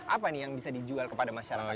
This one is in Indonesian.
apa nih yang bisa dijual kepada masyarakat